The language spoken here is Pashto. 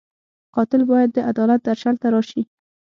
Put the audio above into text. قاتل باید د عدالت درشل ته راشي